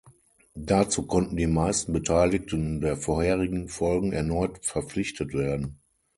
Dazu konnten die meisten Beteiligten der vorherigen Folgen erneut verpflichtet werden.